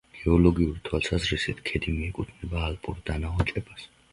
გეოლოგიური თვალსაზრისით ქედი მიეკუთვნება ალპურ დანაოჭებას.